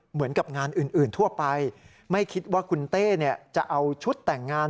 เหมือนกับงานอื่นทั่วไปไม่คิดว่าคุณเต้จะเอาชุดแต่งงาน